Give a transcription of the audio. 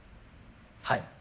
はい。